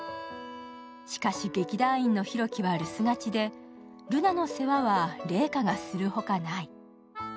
しかし、劇団員の佑樹は留守がちでルナの世話は怜花がするほかない。